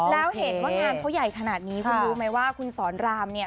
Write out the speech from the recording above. แล้วเห็นว่างานเขาใหญ่ขนาดนี้คุณรู้ไหมว่าคุณสอนรามเนี่ย